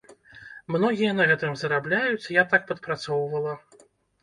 Многія на гэтым зарабляюць, я так падпрацоўвала.